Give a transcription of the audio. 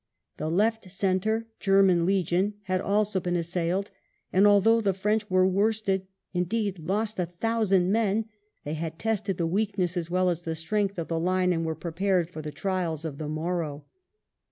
The left centre, German Legion, had also been assailed, and although the French were worsted, indeed lost a thousand men, they had tested the weakness as well as the strength of the line, and were prepared for the trials of the morrow.